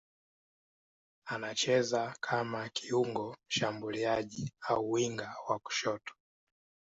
Anacheza kama kiungo mshambuliaji au winga wa kushoto.